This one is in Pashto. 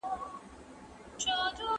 که توري یوشان نه وي ماشین نښه لګوي.